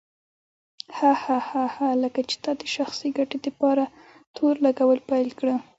هه هه هه لکه چې تا د شخصي ګټې دپاره تور لګول پيل کړه.